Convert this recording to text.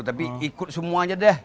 tapi ikut semuanya deh